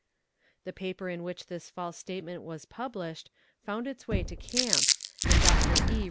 The paper in which this false statement was published found its way to camp, and Doctor E.